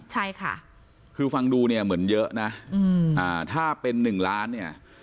ใช่ค่ะคือฟังดูเนี่ยเหมือนเยอะนะถ้าเป็น๑ล้านเนี่ย